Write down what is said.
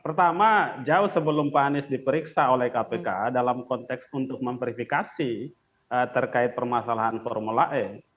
pertama jauh sebelum pak anies diperiksa oleh kpk dalam konteks untuk memverifikasi terkait permasalahan formula e